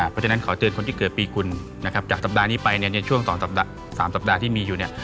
เพราะฉะนั้นขอเตือนคนที่เกิดปีกุลนะครับจากสัปดาห์นี้ไปเนี่ยในช่วง๒๓สัปดาห์ที่มีอยู่เนี่ย